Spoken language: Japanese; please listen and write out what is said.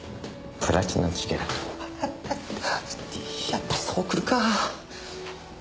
やっぱりそうくるか。